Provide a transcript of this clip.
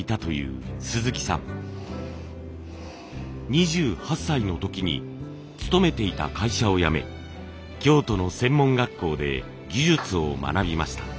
２８歳の時に勤めていた会社を辞め京都の専門学校で技術を学びました。